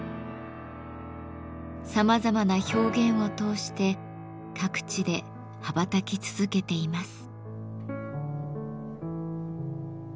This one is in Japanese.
さまざまな表現を通して各地で羽ばたき続けています。